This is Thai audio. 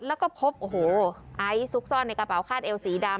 แล้วก็พบโอ้โหไอซ์ซุกซ่อนในกระเป๋าคาดเอวสีดำ